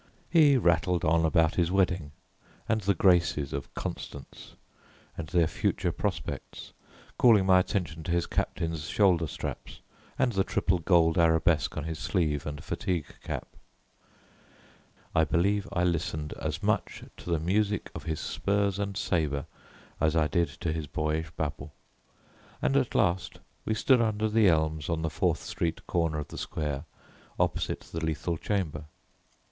He rattled on about his wedding and the graces of Constance, and their future prospects, calling my attention to his captain's shoulder straps, and the triple gold arabesque on his sleeve and fatigue cap. I believe I listened as much to the music of his spurs and sabre as I did to his boyish babble, and at last we stood under the elms on the Fourth Street corner of the square opposite the Lethal Chamber.